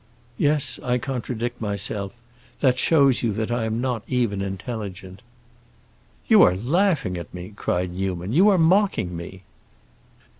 "Yes, I contradict myself; that shows you that I am not even intelligent." "You are laughing at me!" cried Newman. "You are mocking me!"